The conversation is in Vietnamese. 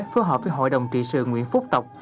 phối hợp với hội đồng trị sự nguyễn phúc tộc